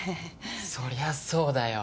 そりゃそうだよ。